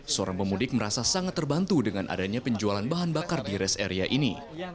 seorang pemudik merasa sangat terbantu dengan adanya penjualan bahan bakar di rest area ini